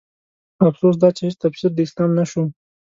افسوس دا چې هيڅ تفسير د اسلام نه شوم